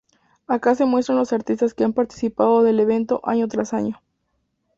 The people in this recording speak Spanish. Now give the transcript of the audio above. Acá se muestran los artistas que han participado del evento año tras año.